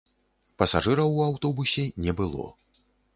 Пасажыраў у аўтобусе не было.